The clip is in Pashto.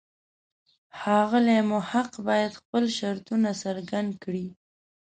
ښاغلی محق باید خپل شرطونه څرګند کړي.